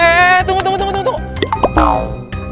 eh eh tunggu tunggu tunggu